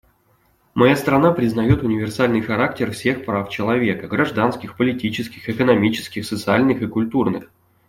Моя страна признает универсальный характер всех прав человека — гражданских, политических, экономических, социальных и культурных.